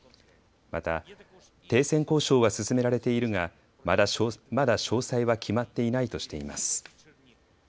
また、停戦交渉は進められているがまだ詳細は決まっていないとしています。